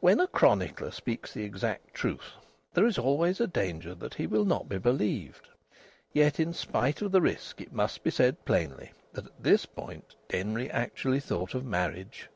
When a chronicler tells the exact truth, there is always a danger that he will not be believed. Yet, in spite of the risk, it must be said plainly that at this point Denry actually thought of marriage.